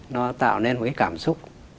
nó tạo nên một cái cảm xúc